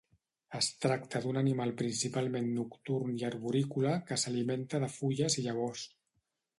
Es tracta d'un animal principalment nocturn i arborícola que s'alimenta de fulles i llavors.